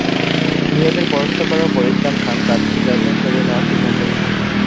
ভূঁইয়াদের পরাস্ত করার পর ইসলাম খান প্রাদেশিক রাজধানী সরিয়ে নেওয়া সিদ্ধান্ত নেন।